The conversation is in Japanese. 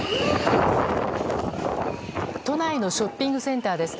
都内のショッピングセンターです。